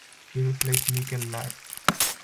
He replaced Mihkel Laar.